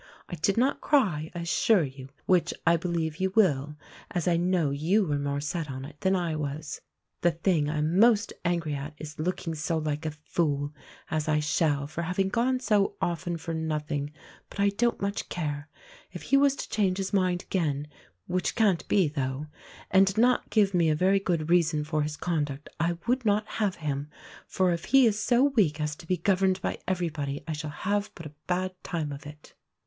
I did not cry, I assure you, which I believe you will, as I know you were more set on it than I was. The thing I am most angry at is looking so like a fool, as I shall, for having gone so often for nothing, but I don't much care. If he was to change his mind again (which can't be, tho') and not give me a very good reason for his conduct, I would not have him; for if he is so weak as to be governed by everybody, I shall have but a bad time of it."